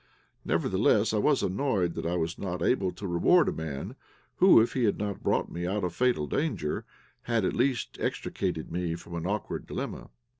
Nevertheless, I was annoyed that I was not able to reward a man who, if he had not brought me out of fatal danger, had, at least, extricated me from an awkward dilemma.